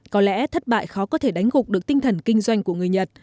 có lẽ thất bại khó có thể đánh gục được tinh thần kinh doanh của người nhật